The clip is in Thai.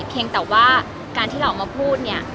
เพียงแต่ว่าการที่เราออกมาพูดเนี่ย